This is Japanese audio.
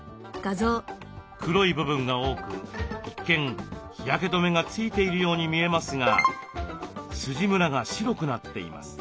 黒い部分が多く一見日焼け止めがついているように見えますが筋ムラが白くなっています。